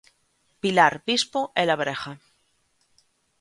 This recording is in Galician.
Pilar Vispo é labrega.